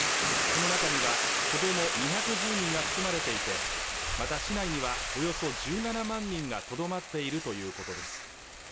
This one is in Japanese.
この中には子ども２１０人が含まれていてまた市内にはおよそ１７万人がとどまっているということです